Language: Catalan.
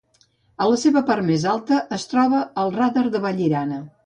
A la seva part més alta es troba el Radar de Vallirana.